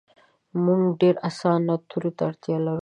مونږ ډیر اسانه تورو ته اړتیا لرو